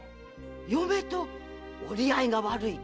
嫁と折り合いが悪いとか？